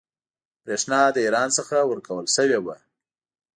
برېښنا د ایران څخه ورکول شوې وه.